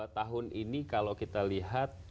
tahun ini kalau kita lihat